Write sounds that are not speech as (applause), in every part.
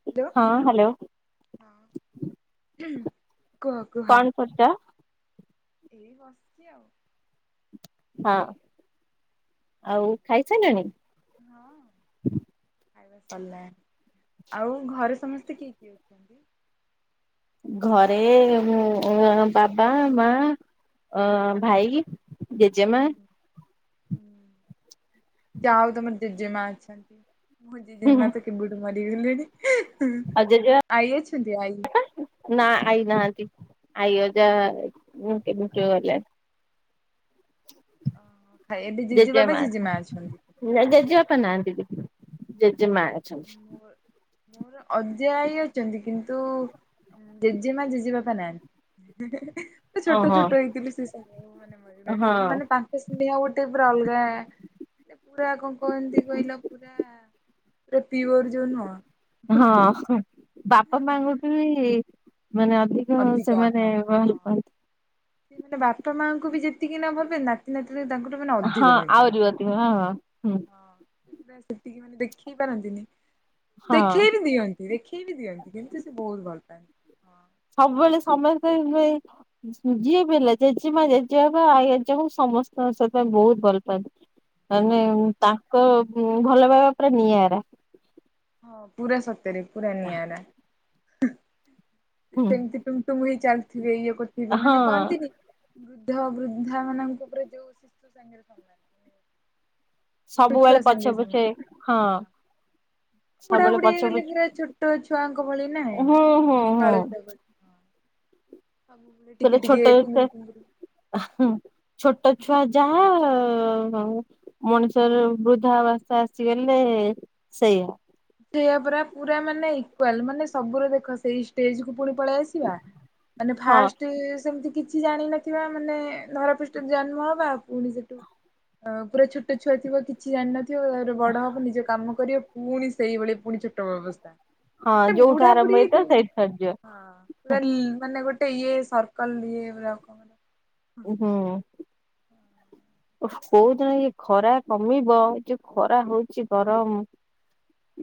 Hello. ହଁ hello. କୁହ କୁହ। (unintelligible) ଏଇ ବସିଚି ଆଉ। ହଁ ଆଉ ଖାଇସାଇଲଣି? ହଁ। ଖାଇବା ସରିଲା ଆଉ ଘରେ ସମସ୍ତେ କିଏ କିଏ ଅଛନ୍ତି? ଘରେ ମୁଁ ବାବା ମା ଅଁ ଭାଇ ଜେଜେମା ହଁ ଯାହଉ ତମ ଜେଜେମା ଅଛନ୍ତି ମୋ ଜିଜେମାତ କେବେଠୁ ମାରଗଲେଣି ଆଉ ଜେଜେ ଆଈ ଅଛନ୍ତି ଆଈ? ନା ଆଈ ନାହାନ୍ତି ଆଈ ଅଜା (unintelligible) ଓହୋ ଖାଇ ଏବେ ଜେଜେବାବା ଜେଜେମା ଅଛନ୍ତି? ନା ଜେଜେବାପା ନାହାନ୍ତିବିି ଜେଜେମା ଅଛନ୍ତି। ମୋ ମୋର ଅଜା ଆଈ ଅଛନ୍ତି କିନ୍ତୁ ଜେଜେମା ଜେଜେବାପା ନାହାନ୍ତି। ଛୋଟ ଓହୋ। ଛୋଟ ହେଇଥିଲି ସେସବୁ ମାନେ ମରିଗଲେଣି ହଁ ମାନେ ତାଙ୍କ ସ୍ନେହ ଗୋଟେ ପୁରା ଅଲଗା ପୁରା କଣ କହତି କହିଲ ପୁରା (unintelligible) ପିଓର ଯୋଉ ନୁହଁ। ହଁ ବାପା ମାଙ୍କୁଠୁବି ମାନେ ଅଧିକ ତସେମାନେ ଭଲ ପାଆନ୍ତି। ସେମାନେ ବାପା ମାଙ୍କୁବି ଯେତିକି ନଭବେନା (inaudible) ହଁ ଆଉ (unintelligible) ହଁ-ହଁ-ହୁଁ। ହଁ ସେତିକି ମାନେ ଦେଖେଇ ପାରନ୍ତିନି ହଁ ଦେଖେଇ ବିି ଦିଅ ଦେଖେଇ ବିି ଦିଅନ୍ତି କିନ୍ତୁ ସେ ବହୁତ୍ ଭଲ୍ ପାଆନ୍ତି। ହଁ ସବୁବେଳେ ସମୟ (inaudible) ଯିଏ ବି ହେଲା ଜେଜେମା ଜେଜେ ବାପା (unintelligible) ହଉ ସମସ୍ତଙ୍କ ସେଥିପାଇଁ ବହୁତ୍ ଭଲ୍ ପା ମାନେ ହଁ ତାଙ୍କ ଭଲ ପାଇବା ପୁରା ନିଆରା। ହଁ ପୁରା ସତେରେ ପୁରା ନିଆରା। ସେମ୍ତି ଟୁମଟୁମ୍ ହେଇ ଚାଲିଥିବେ ଇଏ କରଥିବେ ହଁ ମାନେ କହନ୍ତିନି ବୃଦ୍ଧ ବୃଦ୍ଧା ମାନଙ୍କ ଉପରେ ଯୋଉ ଶିୁଶୁ ସାଙ୍ଗେରେ (unintelligible) ସବୁବେଳେ ସାଙ୍ଗେ ସମାନ ପଛେ-ପଛେ ହଁ। ବୁଢା ସବୁବେଳେ ବୁଢୀ ହେଇଗଲେ ପଛ-ପଛ ପୁରା ଛୋଟ ଛୁଆଙ୍କ ଭଳି ନାହିଁ ହୁଁ-ହୁଁ-ହୁଁ। ସେଟା ଟିକେ-ଟିକେ ଛୋଟ ସେ (inaudible) ଛୋଟ ଛୁଆ ଯାହା ମଣିଷର ବୃଦ୍ଧା ଅବାସ୍ଥା ଆସିଗଲେ ସେଇଆ। ସେଇଆ ପରା, ପୁରା ମାନେ ଇକ୍ୱାଲ୍ ମାନେ ସବୁରେ ଦେଖ ସେଇ ଷ୍ଟେଜକୁୁ ପୁଣି ପଳେଇ ଆସିବା। ହ ମାନେ ଫାଷ୍ଟେ ସେମ୍ କିଛି ଜାଣିନଥିବା ମାନେ ଧରାପୃଷ୍ଠରେ ଜନ୍ମ ହବା, ଆଉ ପୁଣି ସେଠୁ ଅଁ ପୁରା ଛୋଟ ଛୁଆ ଥିବ କି ଛି ଜାଣିନଥିବ ତାପରେ ବଡ ହବ ନିଜ କାମ କରିବ ପୁଣି ସେଇଭଳି ପୁଣି ଛୋଟ ବେଳ ଅବସ୍ଥା। ହଁ (unintelligible) ଯୋଉଠୁ ଆରମ୍ଭ ବୁଢାବୁଢି ହେଇଥିବ (unintelligible) ସେଇଠି ସରିଯିବ ପୁରା ମାନେ ଗୋଟେ ଇଏ ସର୍କଲ୍ ଇଏ (unintelligible) ଉହୁଁ। ଓହ୍ କୋଉଦିନ ଇଏ ଖରା କମିବ, ଇଏ ଯୋଉ ଖରା ହଉଚି ଗରମ୍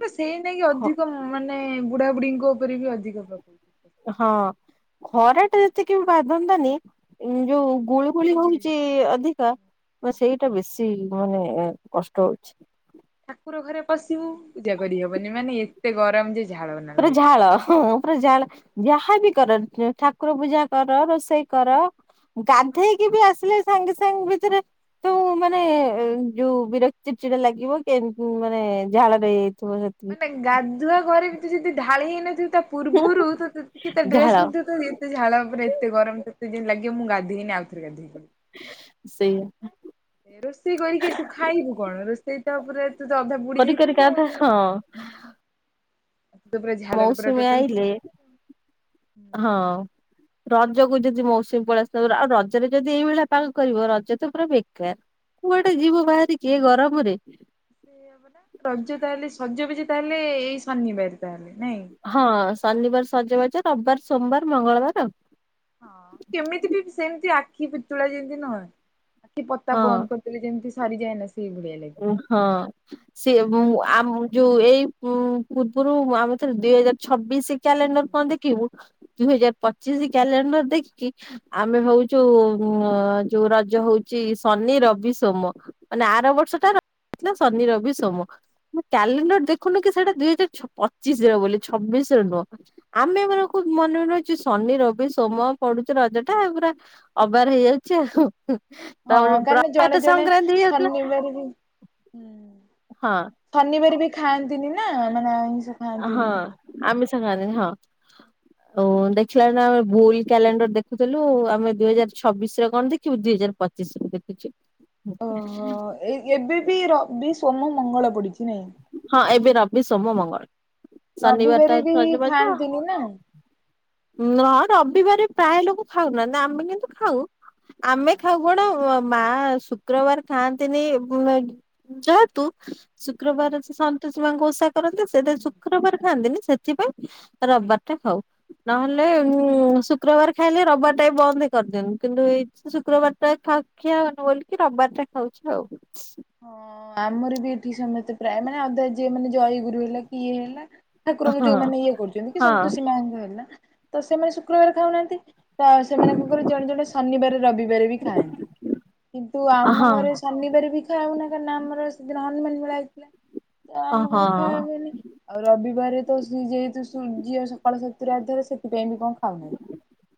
ନା ସେଇ ନେଇକି ଅଧିକ ଗରମ୍ ମାନେ ବୁଢାବୁଢୀଙ୍କ ଉପରେ ବି ଅଧିକ (unintelligible) ହଁ ଖରାଟା ଯେତିକି ବାଧନ୍ତାନି ଯୋଉ ଗୁଳୁ ଗୁଳିୁଗୁଳି ଗୁଳି ହଉଚି ଅଧିକା ସେଇଟା ବେଶୀ ମାନେ କଷ୍ଟ ହଉଚି। ଠାକୁର ଘରେ ପଶିବୁ ପୂଜା କରିହବନି ମାନେ ଏତେ ଗରମ୍। ପୁରା ଝାଳ ହଁ ପୁରା ଝାଳ ଯାହାବି କର ଠାକୁର ପୂଜା କର ରୋଷେଇ କର ଗାଧେଇକି ବି ଆସିଲେ ସାଙ୍ଗେ ସାଙ୍ଗ ଭିତେରେ ତୁ ମାନେ ଯୋଉ ବିରକ୍ତି ଚିଡା ଚିଡା ଲାଗିବ କେ ମାନେ ଝାଳ ରହିଯାଇଥିବ, ସେ ମାନେ ଗାଧୁଆ ଘରେ ବି ତୁ ଯଦି ଢାଳି ହେଇନଥିବୁ ପୂର୍ବୁରୁ (inaudible) ତ ଝାଳ ଝାଳ ଉପରେ ଏତେ ଗରମ୍ ତେତେ ଯେନ୍ତି ଲାଗିବ ମୁଁ ଗଧେଇନି ଆଉଥରେ ଗାଧୋଇେବି। ସେଇ ଏ ରୋଷେଇ କରିକି ଆସିବୁ ଖାଇବୁ କଣ ରୋଷେଇ ତାପରେ ତୁ ଅଧା ବୁଡି କରି କରି ଯାଇଥିବୁ ଗାଧା ଆଉ। ହଁ। ତୁ ତ ପୁରା ଝାଳରେ ପୁରା ମୌଶୁମୀ ଟୋଟାଲ ବୁଡି ଆଇଲେ ଯାଇଥିବୁ। ହଁ ରଜକୁ ଯଦି ମୌସୁମୀ ପଳେଇ ଆସିଥବ ଆଉ ରଜରେ ଯଦି ଏଇଭଳିଆ ପାଗ କରିବ, ରଜ ତ ପୁରା ବେକାର୍। କୁଆଡେ ଯିବ ବାହାରିକି ଏ ଗରମ୍ ରେ। ସେଇଆ ରଜ ତାହେଲେ ସଜ (unintelligible) ତାହେଲେ ଏଇ ଶନିବାର ତାହେଲେ ନାଇଁ? ହଁ ଶନିବାର ସଜବାଜ ରବିବାର ସୋମବାର ମଙ୍ଗଳବାର ଆଉ। ହଁ କେମିତି ବି ସେମତି ଆଖି ପିତୁଳା ଯେମତି ନହଏ, ଆଖି ପତା ହଁ ବନ୍ଦ କ ମାନେ ଯେମିତି ସରିଯଏ ନା ସେଇ ଭଳିଆ ଲାଗି। ହଁ। ସିଏ ମୁଁ ଆମୁ ଯୋଉ ଏଇ ପୂର୍ବରୁ ଆମେ ଥରେ ଦୁଇ ହଜାର ଛବିଶି ହୁଁ କ୍ୟାଲେଣ୍ଡର୍ ହୁଁ। କଣ ଦେଖିବୁ ଦୁଇ ହୁଁ। ହଜାର ପଚିଶି କ୍ୟାଲେଣ୍ଡର୍ ଦେଖିକି ଆମେ ଭାବୁଚୁ ହଁ ଯୋଉ ରଜ ହଉଚି ଶନି ରବି ସୋମ ମାନେ ଆର ବର୍ଷ ଟା ଥିଲା ଶନି ରବି ସୋମ ମୁଁ କ୍ୟାଲେଣ୍ଡର୍ ଦେଖୁନୁ କି ସେଇଟା ଦୁଇ ହଜାର ଛ ପଚିଶିରେ ବୋଲି ଛବିଶିରେ ନୁଅ ଆମେ ମାନେ କୁ ମନେ ମନେ ଭାବିଚୁ ଶନି ରବି ସୋମ ପଡ଼ୁଚି ରଜ ଟା ପୁରା ଅବାର ହେଇଯାଉଚି ଆଉ ହୁଁ ହୁଁ ହଁ ତାପରେ କାରଣ ଜଣେ ପ୍ରଭାତ ସଂକ୍ରାନ୍ତି ହେଇଯାଉଥିଲା ହୁଁ। ହଁ। ଶନିବାର ବି ଖାଆନ୍ତିନି ନା ମାନେ ଆଇଁଷ ହଁ ଖାଆନ୍ତିନି। ଆମିଷ ଖାଆନ୍ତିନି ହଁ। ଓ ଦେଖିଲା ନା ଆମେ ବୁଲ କ୍ୟାଲେଣ୍ଡର୍ ଦେଖୁଥିଲୁ ଆମେ ଦୁଇ ହଜାର ଛବିଶି ରେ କଣ ଦେଖିବୁ ଦୁଇ ହଜାର ପଚ ଚିଶି ର ଦେଖୁଚୁ। ଓହୋ ଏ ଏବେ ବି ରବି ସୋମ ମଙ୍ଗଳ ପଡ଼ିଚି ନାଇଁ ହଁ ଏବେ ରବି ସୋମ ମଙ୍ଗଳ ଶନିବାର ଟା ହଉଚି ସଜବାଜ ହାନୋ। ନ ରବିବାର ପ୍ରାୟ ଲୋକ ଖାଉନାହାନ୍ତି ଆମେ କିନ୍ତୁ ଖାଉ ଆମେ ଖାଉ ବଡ ମା ଶୁକ୍ରବାର ଖାଆନ୍ତିନି ଉଁ ଯେହେତୁ ହଁ ଶୁକ୍ରବାର ସେ ସନ୍ତୋଷି ମାଙ୍କ ଓଷା କରନ୍ତି ହୁଁ ସେଟା ହୁଁ ଶୁକ୍ରବାର ଖାଆନ୍ତିନି ସେଥିପାଇଁ ରବିବାର ଟା ଖାଉ। ନହେଲେ ଓହୋ ଏମିତି ଶୁକ୍ରବାର ଖାଇଲେ ରବିବାର ଟା ବି ବନ୍ଦ କରିଦିଅନ୍ତୁ କିନ୍ତୁ ଏଇ ଶୁକ୍ରବାର ଟା ଖାଖିଆ ହଉନି ବୋଲିକି ରବିବାର ଟା ଖାଉଚୁ ଆଉ। ହଁ ଆମର ବି ଏଠି ସମସ୍ତେ ପ୍ରାୟ ମାନେ ଅଧା ଯିଏ ମାନେ ଜୟଗୁରୁ ହେଲା କି ଇଏ ହେଲା ଠାକୁରଙ୍କୁ ଯୋଉମାନେ ଇଏ କରୁଚନ୍ତି କି ହଁ ସନ୍ତୋଷୀ ମାଙ୍କ ହେଲା ତ ସେମାନେ ଶୁକ୍ରବାର ଖାଉନାଆନ୍ତି ତ ସେମାନଙ୍କଙ୍କର ଜଣେ ଜଣେ ଶନିବାର ରବିବାର ବି ଖାଆନ୍ତି କିନ୍ତୁ ହଁ ଆମ ଘରେ ହଁ ଶନିବାର ବି ଖାଉନା କାଇଁନା ଆମର ସେଦିନ ହନୁମାନ ମେଳା ତ ଆମ ହଁ ଘରେ ଖାଇବେନି ଆଉ ରବିବାର ତ ଯେହେତୁ ସୂର୍ଯ୍ୟ ସକଳ ଶକ୍ତିର ଆଧର ସେଥିପାଇଁ ବି କଁ ଖାଉନାଆନ୍ତି।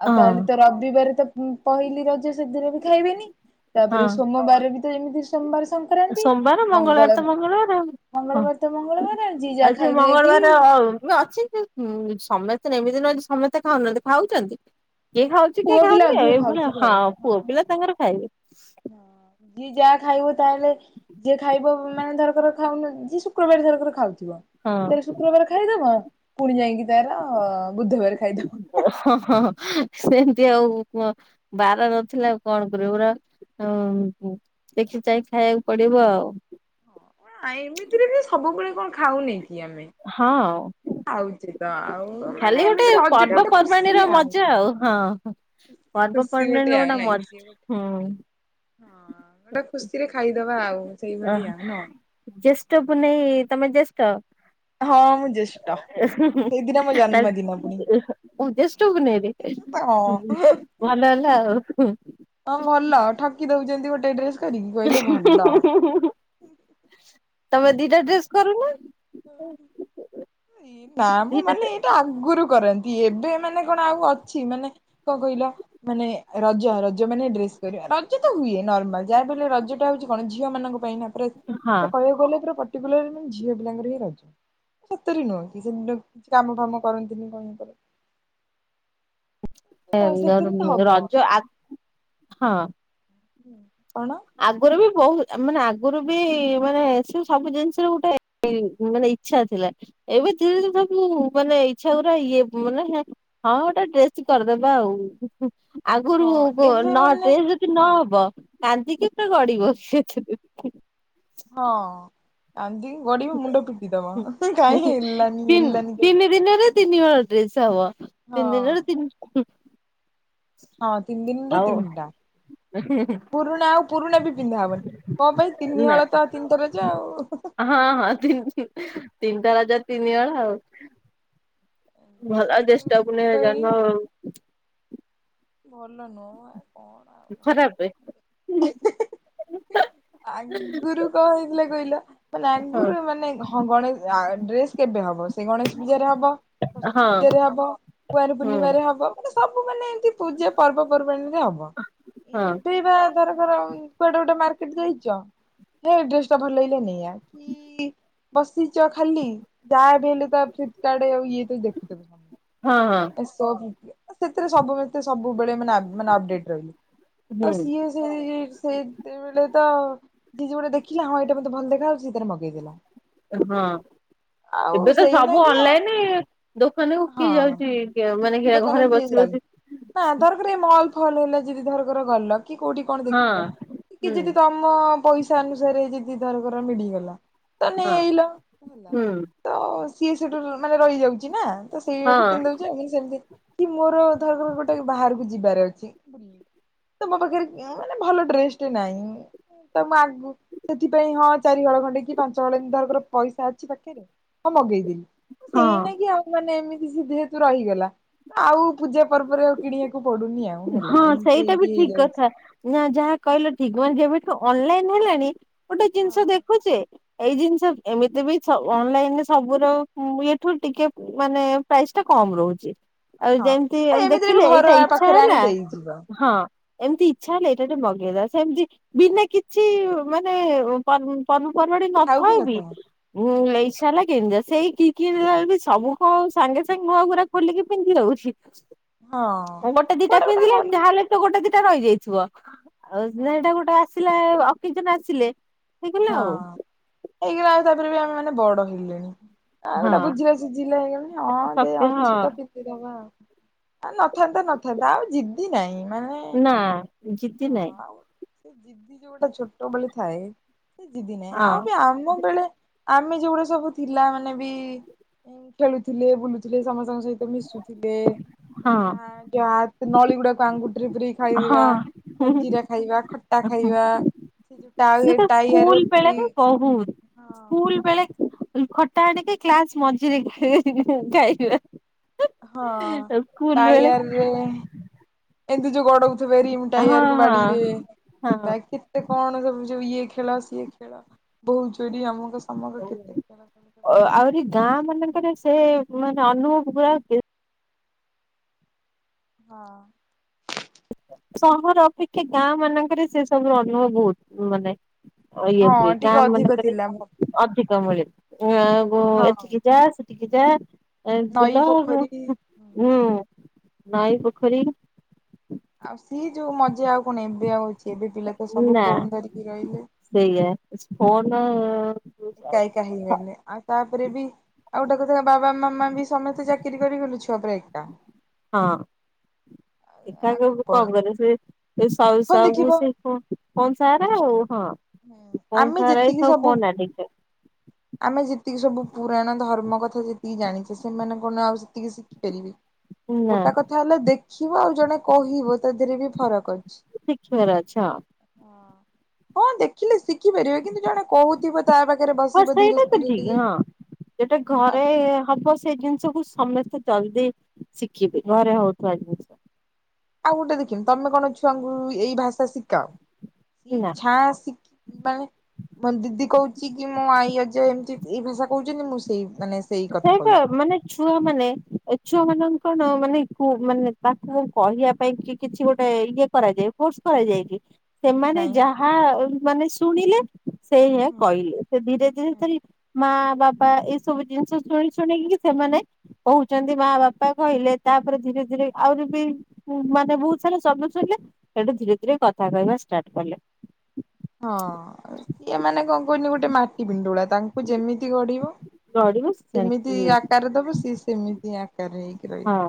ଆଉ ହଁ ତାହେଲେ ତ ରବିବାର ତ ପହିଲି ରଜ ସେଦିନ ବି ଖାଇବେନି ତାପରେ ହଁ ସୋମବାର ବି ତ ଏମିତି ସୋମବାର ସଂକ୍ରାନ୍ତି ସୋମବାର ମଙ୍ଗଳବାର ମଙ୍ଗଳ ତ ମଙ୍ଗଳବାର। ହଁ ମଙ୍ଗଳବାର ତ ମଙ୍ଗଳବାର ଯିଏ ଯାହା ଆଉ ସେ ଖାଇବେ ଯାଇକି ମଙ୍ଗଳବାର ଅ ଅଛି ହୁଁ ସମସ୍ତେ ଏମିତି ନୁହଁ ଯେ ସମେତେ ଖାଉନାହାନ୍ତି ଖାଉଚନ୍ତି କିଏ ଖାଉଚି କିଏ ପୁଅ ପିଲା ଖାଉନି ଅଧିକ ଆଉ ଏଇଭଳିଆ ଖାଉଥିବେ ହଁ ଆଉ। ପୁଅ ପିଲା ତାଙ୍କର ଖାଇବେ। ଯିଏ ଯା ଖାଇବ ତାହେଲେ ଯିଏ ଖାଇବ ମାନେ ଧରକାର ଖାଉନ ଯିଏ ଶୁକ୍ରବାର ଧରକର ଖାଉଥିବ ହଁ ତାାର ଶୁକ୍ରବାର ଖାଇଦବ ପୁଣି ଯାଇକି ତାର ବୁଧବାର ଖାଇଦବ। ଓ ହ ହ ହ ସେମତି ଆଉ ବାର ନଥିଲେ ଆଉ କଣ କରିବ ପୁରା ହଁ ଉଁ ଦେଖି ଚାହିଁ ଖାଇବାକୁ ପଡିବ ଆଉ। ଆ ଏମିତିରେ ବି ସବୁବେଳେ କଣ ଖାଉନେ କି ଆମେ। ହଁ। ଖାଉଛେ ତ ଆଉ ମାନେ ଖାଲି ଗୋଟେ ଏମିତିରେ ରଜ ଟା ଗୋଟେ ପର୍ବପର୍ବାଣି ଖୁସି ର ମଜା ଆଉ ହଁ। ଖୁସି ଖୁସି ପର୍ବପର୍ବାଣୀ ଆଉ ର ଗୋଟେ ନାଇଁ ମ ସିଏ ହୁଁ। ହେଟା ଖୁସି ରେ ଖାଇଦବା ଆଉ। ଅ ସେଇଭଳିଆ ନୁହଁ। ହ ଜେଷ୍ଠ ପୁନେଇ ତମେ ଜେଷ୍ଠ? ହଁ, ମୁଁ ଜେଷ୍ଟ ସେଇଦିନ ମୋ ଜନ୍ମଦିନ ପାଇଁ ଓ ଜ୍ୟେଷ୍ଠ ପୁନେଇରେ ଅଁ ଭଲ ହେଲା ଆଉ। ହଁ ଭଲ ଠକି ଦଉଛନ୍ତି ଗୋଟେ ଡ୍ରେସ କରିକି କହିଲେ ଭଲ। ହୁଁ ହୁଁ ହୁଁ ହୁଁ ତମେ ଦିଟା ଡ୍ରେସ୍ କରୁନ? ନା ମଁ ଦିଟା ମାନେ ଏଇଟା ଆଗରୁ କରନ୍ତି। ଏବେ ମାନେ କଣ ଆଉ ଅଛି। ମାନେ କଣ କହିଲା? ମାନେ ରଜ, ରଜ ମାନେ ଡ୍ରେସ କରିବା। ରଜ ତ ହୁଏ। ନର୍ମାଲ ଯାହାଫଳରେ ରଜଟା ହଉଛି କଣ ଝିଅ ମାନଙ୍କ ପାଇଁ ଖା ପୁରା, ହଁ ପୁରା କହିବାକୁ ଗଲେ ପୁରା ପର୍ଟିକୁଲାର ମାନେ ଝିଅ ପିଲାଙ୍କର ହିଁ ରଜ। ସେତରେ ନୁହଁନ୍ତି ସେ କିଛି କାମ ଫାମ କରନ୍ତିନି କଣ କର (unintelligible) ଆଉ ସେଥିରେ ତ ହବ ରଜ ଆ ହଁ (unintelligible) ହୁଁ, କଣ? ଆଗରୁ ବି ବହୁତ, ମାନେ ଆଗରୁ ବି ମାନେ ସେ ସବୁ ଜିନିଷରେ ଗୋଟେ ମାନେ ଇଚ୍ଛା ଥିଲା ଏବେ ଧୀରେ ଧୀରେ ସବୁ ମାନେ ଇଚ୍ଛା ଗୁରା ଇଏ ମାନେ ହଁ ଗୋଟେ ଡ୍ରେସ୍ ଟେ କରିଦେବା ଆଉ। ହୁଁ ହୁଁ। ଆଗରୁ ହଁ ଗ ଏବେ ନ ମାନେ ଡ୍ରେସ ଯଦି ହଁ ନହବ କାନ୍ଦିକି ପୁରା ଗଡିବ ସେ ଛେ। ହଁ, କାନ୍ଦିକି ଗଡ଼ିିବ ମୁଣ୍ଡ ପିଟି ଦବ କାହିଁ ହେଲାନି ତିନି ହେଲାନି କାଇଁ। ତିନି ଦିନରେ ତିନି ହଳ ଡ୍ରେସ ହବ। ତିନି ଦିନରେ ହଁ ତିନ--ହୁଁ। ହଁ, ତିନ ଦିିନରେ ତିନଟା। ପୁରୁଣା ଆଉ ପୁରୁଣା ବି ପିନ୍ଧା ହବନି। କ ପାଇଁ? ତିନି ନା ହଳ ତ ତିନିଟା ରଜ ଆଉ। ହଁ ହଁ। ହଁ ହଁ, ତିନି ତିନିଟା ରଜରେ ତିନି ହଳ ଆଉ। ଭଲ କିନ୍ତୁ ଜ୍ୟେଷ୍ଠ କଣ ପୂର୍ଣ୍ଣିମାରେ କହିଲି ଜନ୍ମ ଆଉ ଭଲ ନୁହଁ ଆ କଣ ଆଉ ଭଲ ଖରାପେ ଆଗରୁ କଣ ହେଇଥିଲା କହିଲ? ମାନେ ହଁ ଆଗରୁ ଏମାନେ ଘ ହଁ, ଗଣେଶ ଆ ଡ୍ରେସ କେବେ ହବ ସେ ଗଣେଶ ପୂଜାରେ ହବ। ସରସ୍ଵତୀ ହଁ ପୂଜାରେ ହବ, କୁଆଁର ହୁଁ ପୂର୍ଣ୍ଣିମାରେ ହବ, ମାନେ ସବୁ ମାନେ ଏମତି ପୂଜା ପର୍ବପର୍ବାଣି ରେ ହବ। ହଁ ଏବେ ବା ମନେ କର କୁଆଡେ ଗୋଟେ ମାର୍କେଟ ଯାଇଚ ହେ ଡ୍ରେସ ଟା ଭଲ ଲାଗିଲା ନେଇ ଆ। କି କି ବସିଛ ଖାଲି ଯାହା ବି ହେଲେ ତ ଫ୍ଲିପକାର୍ଟ ଆଉ ଇଏ ତ ଦେଖୁଥିବ। କଣ ହଁ -ହଁ। ସେଥିରେ ସବୁ ସବୁବେଳେ ତ ସବୁବେଳେ ମାନେ ଆ ମାନେ ଅପଡେଟ ରହିଲି। ତ ହୁଁ ସିଏ କି ସେତେବେଳେ ତ ଯିଏ ଜଉଟା ଦେଖିଲା ହଁ ଏଇଟା ମୋତେ ଭଲ ଦେଖାଯାଉଚି ସେ ତାର ମଗେଇ ଦେଲା। ହଁ ଏବେ ତ ସେଇନା ସବୁ କି ଆଉ ଅନଲାଇନ ଦୋକାନ କୁ ହଁ କିଏ ଯାଉଚି। ମାନେ କି ଘରେ ବସି ବସି ରେ ମଲ୍ ଫଲ ହେଲା ଯଦି ଧରକର ଗଲ କି କୋଉଠି କଣ ହଁ ଦେଖିଲ କି ହୁଁ ଯଦି ତ ଆମ ପଇସା ଅନୁସାରେ ଯଦି ଧର କର ମିଳିଗଲା। ତ ନେଇ ହଁ ଆଇଲ, ହେଲା? ହୁଁ ତ ସିଏ ସେଇଠୁ ମାନେ ରହିଯାଉଛି ନା ତ ହଁ ସେଇକୁ ପିନ୍ଧିଦଉଛି ଆ ମାନେ ସେମିତି କି ମୋର ଧରର ଗୋଟେ ବାହାରକୁ ଯିବାର ଅଛି, ବୁଲି ତ ମୋ ପାଖରେ ଉମ୍ ମାନେ ଭଲ ଡ୍ରେସ ଟେ ନାଇଁ ତ ମୁଁ ଆଗୁ ସେଥିପାଇଁ ହଁ ଚାରି ହଳ ଖଣ୍ଡେ କି ପାଞ୍ଚ ହଳ ଧରର ପଇସା ଅଛି ପାଖରେ ହଁ ମଗେଇଦେଲି। ସେଇ ହଁ। ନା ଗି ଆଉ ମାନେ ଏମିତି ଜିଦି ହେତୁ ରହିଗଲା ଆଉ ପୂଜା ପର୍ବରେ କିଣିବାକୁ ପଡୁନି ଆଉ ହେଲା ହଁ ଏମିତି ସେଇଟା ବି ଏମିତି ଠିକ ହେଇଯାଉଛି। କଥା ନା ଯାହା କହିଲ ଠିକ ମାନେ ଯେବେଠୁ ଅନଲାଇନ ହେଲାଣି ଗୋଟେ ଜିନିଷ ହଁ ଦେଖୁଛି ଏଇ ଜିନିଷ ଏମିତି ବି ସବୁ ଅନଲାଇନରେ ସବୁର ଇଠୁ ଟିକେ ମାନେ ପ୍ରାଇସ୍ ଟା କମ ରହୁଛି ଆଉ ଯେମିତି ଏମିତିରେ ବି ଦେଖିଲେ ଏଇଟା ଘର ଇଚ୍ଛା ପାଖରେ ଆଣି ହେଲା ଦେଇଯିବ। ହଁ ଏମିତି ଇଛା ହେଲେ ଏଇଟା ଟେ ମଗେଇଦବା ସେମିତି ବିନା କିଛି ମାନେ ପର୍ବ ପର୍ବପର୍ବାଣୀ ଥାଉ କି ନଥାଉ ବି ମୁଁ (unintelligible) ସାଲା କେମିତିକା ସେଇ କି କିଣିଲା ବେଳକୁ ସବୁ କ ସାଙ୍ଗେ ସାଙ୍ଗେ ମୁହଁଗୁରା ଖୋଲିକି ପିନ୍ଧି ହଉଛି। (inaudible) ହଁ। ଦିଟା କୁଆଡେ ଗୋଟେ ପିନ୍ଧିଲେ ଗଲା ଯହାହେଲେ ତ ଗୋଟେ ଦିଟା ରହିଯାଇଥିବ ଆଉ ସେଇଟା ଗୋଟେ ଆସି ଲେ ଅକେଜନ ଆସିଲେ ହେଇଗଲା ହଁ ଆଉ। ହେଇଗଲା ଆଉ ତାପରେ ବି ଆମେ ମାନେ ବଡ ହେଇଲେଣି ଆ ହଁ ଗୋଟେ ବୁଝିଲା ସୁୁଝିଲା ହେଇଗଲେଣି ହଁ ଦେ ଶକ୍ତି ହଁ ଅଛି ତ ପିନ୍ଧିଦବା ଆଉ। ନଥାନ୍ତା ନଥାନ୍ତା ଆଉ ଜିଦି ନାହିଁ ମାନେ ନା ଜିଦି ହଁ ନାହିଁ। ଆଉ ସେ ଜିଦି ଯୋଉଟା ଛୋଟ ବଳେ ଥାଏ ସେ ଜିଦି ନାହିଁ ହଁ ଆଉ ବି ଆମ ବେଳେ ଆମେ ଯୋଉଗୁଡା ସବୁ ଥିଲା ମାନେ ବି ଖେଳୁଥିଲେ ବୁଲୁଥିଲେ ସମସ୍ତଙ୍କ ସହିତ ମିଶୁଥିଲେ ହଁ (unintelligible) ଯ ନଳୀ ଗୁଡାକ ଆଙ୍ଗୁଠିରେ ପୁରେଇକି ଖାଇଦବା ହଁ। ଜଲଜୀରା ଖାଇବା, ଖଟା ଖାଇବା, ସେ ଯୋଉଟା ଆଉ ସେ ତ ସ୍କୁଲ ବେଳେ ରେ ବହୁତ ସ୍କୁଲ ହଁ। ସ୍କୁଲ ବେଳେ ଖଟା ଆଣିକି କ୍ଲାସ ମଝିରେ ଖାଇବା (unintelligible) (unintelligible) ସ୍କୁୂଲ ବେଳେ ଏବେ ଏମିତି ଯୋଉ ଗଡ଼ଉଥିବେ ରିମ ହଁ ଟାୟାରକୁ ବାଡ଼ିରେ ହଁ ହେଲା କେ ତେ କଣ ସବୁ ଇଏ ଖେଳ ସିଏ ଖେଳ ବହୁ ଚୋରି ଆମକ ସମକ କେତେ ଖେଳ ଅ ଆହୁରି ଗାଁ ମାନଙ୍କରେ ସେ ମାନେ ଅନୁଭବ ଗୁଡା ହଁ। ସହର ଅପେକ୍ଷା ଗାଁ ମାନଙ୍କରେ ସେ ସବୁ ଅନୁଭବ ବହୁତ ମାନେ ଅଇୟ ହଁ ହୁଏ ଟିକେ ଗାଁ ଅଧିକ ମାନଙ୍କରେ ଥିଲା ଅଧିକ ମିଳେ (inaudible) ହଁ ଏଠିକି ଯା ସେଠିକି ଯା ଆ ନଈ ବୁଲା ପୋଖରୀ ହୁଁ ନଇ ପୋଖରୀ। ଆଉ ସିଏ ଯୋଉ ମଜା ଆଉ କଣ ଏବେ ଆଉ ହଉଛି ଏବେ ପିଲା ତ ସବୁ ଫୋନ ଧରିକି ରହିଲେ। ସେଇଆା ଫୋନ ହଁ ଏକା ଏକା ହେଇଗଲେ ଆଉ ତାପରେ ବି ଆଉ ଗୋଟେ କଥା ବାବା ମାମା ବି ସମସ୍ତେ ଚାକିରି କରିଗଲୁ ଛୁଆ ପୁରା ଏକା। ହଁ। ଏକା ଏକା କଣ କରିବୁ ସେ ସ ଫୋନ ସବୁ ସବୁ ଦେଖିବ ସେ ଫୋନ୍ ସାର ଆଉ ହଁ। ହୁଁ କନ୍ ଆମେ ସ ଏ ଯେତିକି ସବୁ ଫୋ ନାଠିକ (unintelligible) ଆମେ ଯେତିକି ସବୁ ପୁରାଣ ଧର୍ମ କଥା ଯେତିକି ଜାଣିଛେ ସେମାନେ କଣ ଆଉ ସେତିକି ସି ଖିବେ ନା ଗୋଟା କଥା ହେଲା ଦେଖିବ ଆଉ ଜଣେ କହିବ ତା ଦେହରେ ବି ଫରକ ଅଛି। ଶିଖିବାର ଅଛ ହଁ। ହଁ ଦେଖିଲେ ଶିଖିପାରିବେ କିନ୍ତୁ ଜଣେ କହୁ ଇଏ ପା ତା ପାଖରେ ବସି ହ ସେଇଟା ତ ଠିକ୍ ହଁ ସେଟା ଆଉ ଘରେ ହବ ସେଇ ଜିନିଷକୁ ସମସ୍ତେ ଜଲ୍ଦି ଶିଖିବେ ଘରେ ହଉଥିବା ଯ ଆଉ ଗୋଟେ ଦେଖିନି ତମେ କଣ ଛୁଆଙ୍କୁ ଏଇ ଭାଷା ଶିଖାଅ ନା ଛା ଶିଖି ମାନେ ମୋ ଦିଦି କହୁଛି କି ମୋ ଆଈ ଅଜା ଏମିତି ଏଇ ଭାଷା କହୁଛନ୍ତି ମୁଁ ସେଇ ମାନେ ସେଇ କଥା ସେଇପା କହିବି। ମାନେ ଛୁଆ ମାନେ ଏ ଛୁଆ ମାନଙ୍କ କଣ ମାନେ ମାନେ ତାକୁ କହିବା ପାଇଁ କି କିଛି ଗୋଟେ ଇଏ କରାଯାଏ କୋର୍ସ କରାଯାଏ କି? ସେମାନେ ନାଇଁ ଯାହା ମାନେ ଶୁଣିଲେ। ସେ ହ ହୁଁ ହୁଁ। କହିଲେ ସେ ଧୀରେ ଧୀରେ ଧ ମା ବାବା ଏଇ ସବୁ ଜିନିଷ। ଶୁଣି ଶୁଣିକି ସେମାନେ କହୁଛନ୍ତି ମା ବାପା କହିଲେ ତାପରେ ଧୀରେ ଧୀରେ ଆହୁରି ବି ଉ ମାନେ ବହୁତ ସାରା ଶବ୍ଦ ଶୁଣିଲେ ସେଠୁ ଧୀରେ ଧୀରେ କଥା କହିବା ଷ୍ଟାର୍ଟ କଲେ। ହଁ ଇଏ ମାନେ କଣ କନି ଗୋଟେ ମାଟି ପିଣ୍ଡୁଳା ତାଙ୍କୁ ଯେମିତି ଗଢିବ। ସେମିତି ଆକାର ଦବ ସିଏ ସେମିତି ଆକାର ହେଇକି ରହିବ। ହଁ।